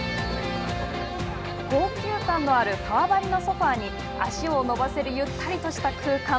高級感のある革張りのソファーに足を伸ばせるゆったりとした空間。